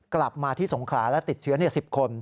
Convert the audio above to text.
กลับมาที่สงขลาและติดเชื้อ๑๐คน